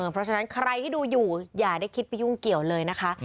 เพราะฉะนั้นใครที่ดูอยู่อย่าได้คิดไปยุ่งเกี่ยวเลยนะคะ